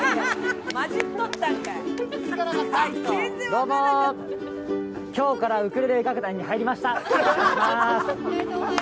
どうも、今日からウクレレ楽団に入りました。